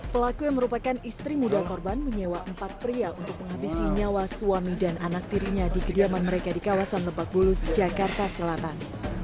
pelaku yang merupakan istri muda korban menyewa empat pria untuk menghabisi nyawa suami dan anak tirinya di kediaman mereka di kawasan lebak bulus jakarta selatan